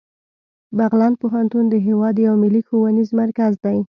بغلان پوهنتون د هیواد یو ملي ښوونیز مرکز دی